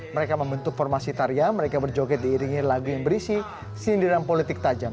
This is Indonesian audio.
mereka membentuk formasi tarian mereka berjoget diiringi lagu yang berisi sindiran politik tajam